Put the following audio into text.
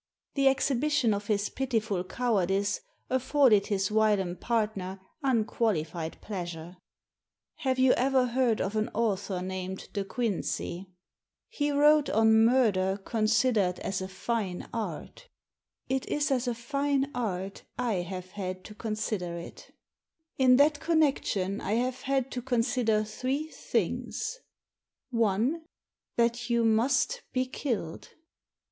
The exhibition of his pitiful cowardice afforded his whilom partner unqualified pleasure. "Have you ever heard of an author named De Quincey? He wrote on murder, considered as a fine Digitized by VjOOQIC 14 THE SEEN AND THE UNSEEN art It is as a fine art I have had to consider it In that connection I have had to consider three things : I, That you must be killed.